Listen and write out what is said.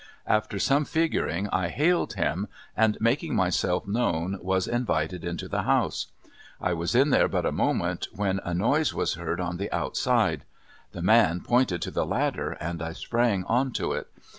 After some figuring I hailed him, and making myself known was invited into the house. I was in there but a moment when a noise was heard on the outside. The man pointed to the ladder, and I sprang onto it.